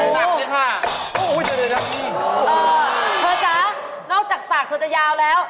เน่กะนอกจากสากจะเยาวด์แล้ว